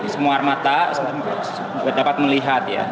semua armata dapat melihat ya